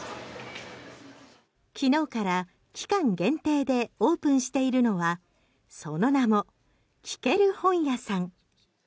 昨日から期間限定でオープンしているのはその名も聴ける本屋さん。